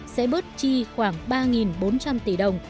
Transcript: sẽ bớt chi khoảng ba bốn trăm linh tỷ đồng